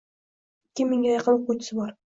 Ikki mingga yaqin o‘quvchisi bor.